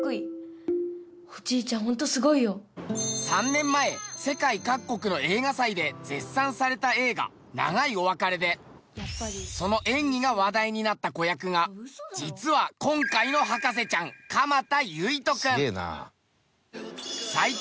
３年前世界各国の映画祭で絶賛された映画『長いお別れ』でその演技が話題になった子役が実は今回の博士ちゃん蒲田優惟人君。